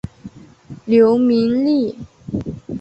刘明利。